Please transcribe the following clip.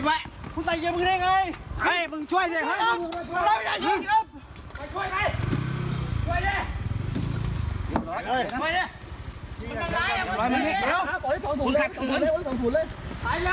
ไม่คุณช่วย